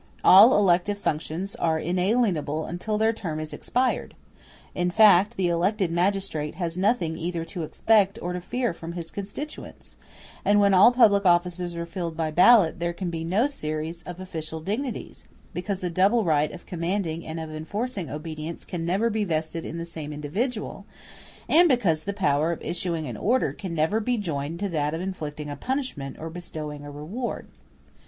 All elective functions are inalienable until their term is expired. In fact, the elected magistrate has nothing either to expect or to fear from his constituents; and when all public offices are filled by ballot there can be no series of official dignities, because the double right of commanding and of enforcing obedience can never be vested in the same individual, and because the power of issuing an order can never be joined to that of inflicting a punishment or bestowing a reward.